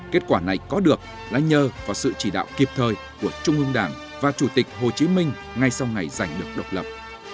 kết quả này có được là nhờ vào sự chỉ đạo kịp thời của trung ương đảng và chủ tịch hồ chí minh ngay sau ngày giành được độc lập